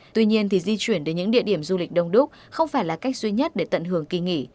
tuy nhiên di chuyển đến những địa điểm du lịch đông đúc không phải là cách duy nhất để tận hưởng kỳ nghỉ